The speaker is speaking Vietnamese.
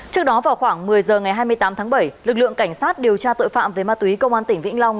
trước đó vào khoảng một mươi h ngày hai mươi tám tháng bảy lực lượng cảnh sát điều tra tội phạm về ma túy công an tỉnh vĩnh long